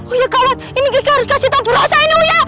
uya kawat ini geki harus kasih tahu bu rosa ini uya